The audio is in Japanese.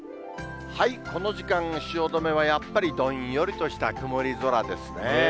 この時間の汐留はやっぱりどんよりとした曇り空ですね。